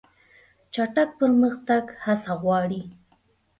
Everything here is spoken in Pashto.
چټک پرمختګ هڅه غواړي.